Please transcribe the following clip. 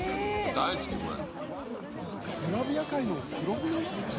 大好きこれ。